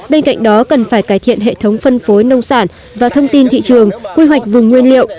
bên cạnh đó cần phải cải thiện hệ thống phân phối nông sản và thông tin thị trường quy hoạch vùng nguyên liệu